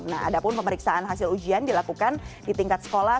nah ada pun pemeriksaan hasil ujian dilakukan di tingkat sekolah